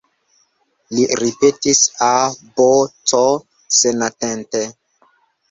Li ripetis, A, B, C, senatente.